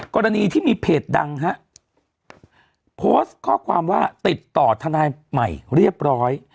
กรณีที่มีเพจดังฮะโพสต์ข้อความว่าติดต่อทนายใหม่เรียบร้อย